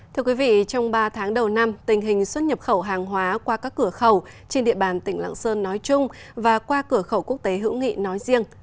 thưa quý vị trong ba tháng đầu năm tình hình xuất nhập khẩu hàng hóa qua các cửa khẩu trên địa bàn tỉnh lạng sơn nói chung và qua cửa khẩu quốc tế hữu nghị nói riêng